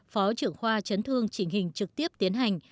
phó trưởng khoa chấn thương chỉnh hình trực tiếp tiến hành